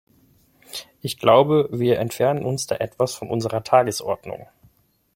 Ich glaube, wir entfernen uns da etwas von unserer Tagesordnung.